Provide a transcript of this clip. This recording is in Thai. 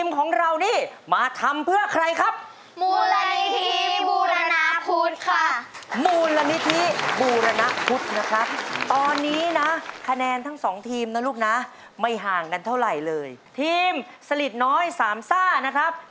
มาพูดถึงทีมสดิตน้อยสามซ่านะครับ